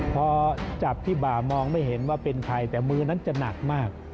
พอจับที่บ่ามองไม่เห็นว่าเป็นใครแต่มือนั้นจะหนักมาก